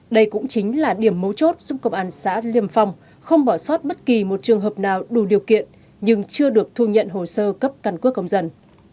đây cũng chính là điểm mấu chốt giúp công an xã liêm phong không bỏ sót bất kỳ một trường hợp nào đủ điều kiện nhưng chưa được thu nhận hồ sơ cấp căn cước công dân